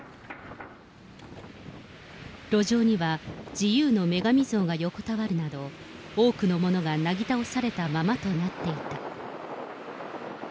路上には、自由の女神像が横たわるなど、多くのものがなぎ倒されたままとなっていた。